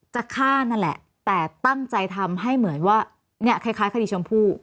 จะฆ่านั่นแหละแต่ตั้งใจทำให้เหมือนว่าเนี่ยคล้ายคดีชมพู่